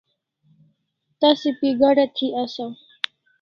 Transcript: Tasa pi gada thi asaw